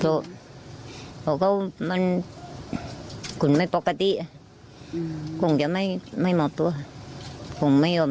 เขาก็มันขุนไม่ปกติคงจะไม่ไม่มอบตัวผมไม่ยอม